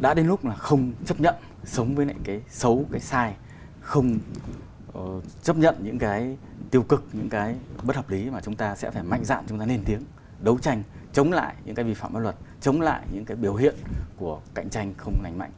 đã đến lúc là không chấp nhận sống với những cái xấu cái sai không chấp nhận những cái tiêu cực những cái bất hợp lý mà chúng ta sẽ phải mạnh dạng chúng ta lên tiếng đấu tranh chống lại những cái vi phạm pháp luật chống lại những cái biểu hiện của cạnh tranh không lành mạnh